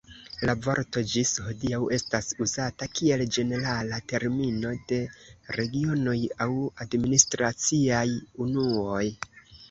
La vorto ĝis hodiaŭ estas uzata kiel ĝenerala termino de regionoj aŭ administraciaj unuoj.